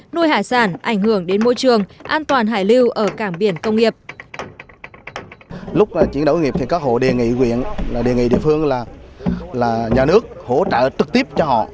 nuôi hải sản ảnh hưởng đến môi trường an toàn hải lưu ở cảng biển công nghiệp